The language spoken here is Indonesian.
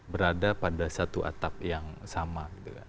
berada pada satu atap yang sama